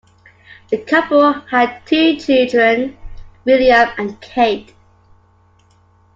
The couple had two children, William and Kate.